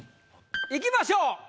いきましょう。